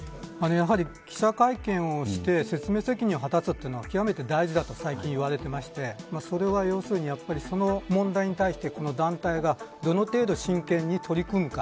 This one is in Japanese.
やはり、記者会見をして説明責任を果たすというのは極めて大事だと最近、言われていましてそれは要するに、その問題に対して、この団体がどの程度、真剣に取り組むか。